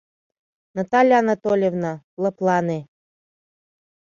Наталья Анатольевна, лыплане.